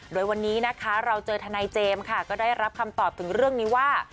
โดยวันนี้นะคะเราเจอทนายเจมส์ค่ะก็ได้รับคำตอบถึงเรื่องนี้ว่า